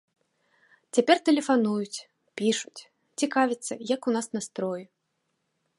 Цяпер тэлефануюць, пішуць, цікавяцца, як у нас настроі.